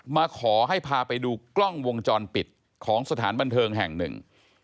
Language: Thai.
มาขอให้พาไปดูกล้องวงจรปิดของสถานบันเทิงแห่งหนึ่ง